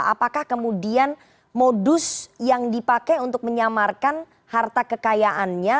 apakah kemudian modus yang dipakai untuk menyamarkan harta kekayaannya